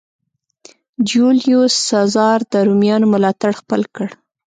جیولیوس سزار د رومیانو ملاتړ خپل کړ.